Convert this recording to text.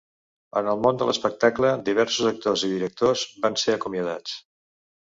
En el món de l'espectacle, diversos actors i directors van ser acomiadats.